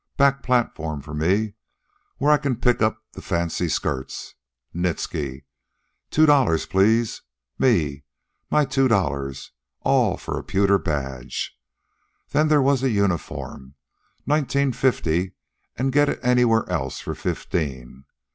Back platform for me, where I can pick up the fancy skirts. Nitsky. Two dollars, please. Me my two dollars. All for a pewter badge. Then there was the uniform nineteen fifty, and get it anywhere else for fifteen.